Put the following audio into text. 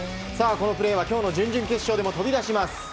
このプレーは今日の準々決勝でも飛び出します。